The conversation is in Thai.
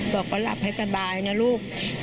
บอกว่าหลับให้สบายนะลูก